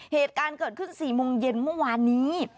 เหตุการณ์เกิดขึ้น๔โมงเย็นเมื่อวานนี้